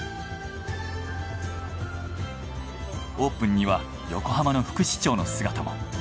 オープンには横浜の副市長の姿も。